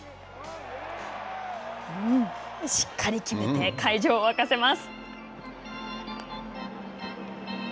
しっかり決めて会場を沸かせます。